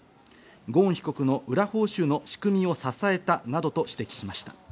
ゴーン被告の裏報酬の仕組みを支えたなどと指摘しました。